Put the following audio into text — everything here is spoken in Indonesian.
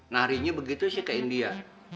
narinya begitu sih ke india